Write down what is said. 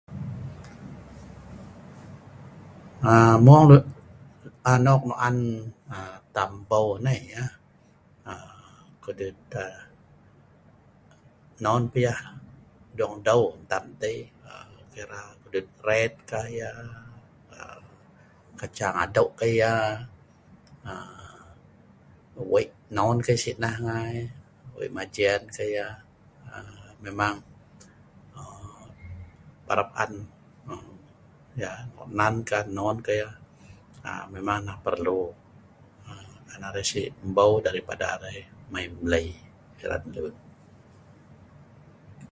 Anok nok on tam bou kudut non pun yah long deu ka yah non Ka Sinai ngai menang arai lah